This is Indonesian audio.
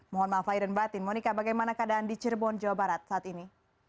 mohon maaf lahir dan batin monika bagaimana keadaan di cirebon jawa barat saat ini